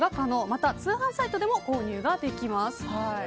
また通販サイトでも購入ができます。